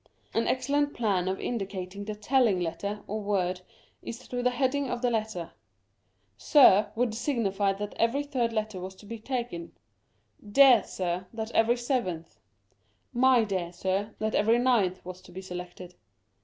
An excellent plan of indicating the telling letter or word is through the heading of the letter. " Sir," would signify that every third letter was to be taken ;" Dear sir," that every seventh ;" My dear sir," that every ninth was to be selected.